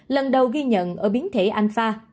lần đầu ghi nhận ở biến thể alpha